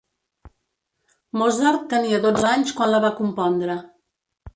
Mozart tenia dotze anys quan la va compondre.